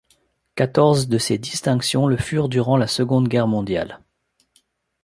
Quatorze de ces distinctions le furent durant la Seconde Guerre mondiale.